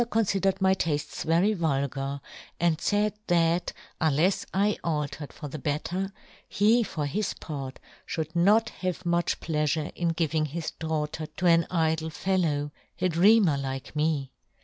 confidered my taftes very vulgar, * and faid that, unlefs I altered for the better, he, for his part, fhould not have much pleafure in giving his daughter to an idle fellow, a dreamer ' like me.